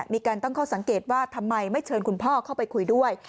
มีการตั้งข้อสังเกตว่าทำไมไม่เชิญคุณพ่อเข้าไปคุยด้วย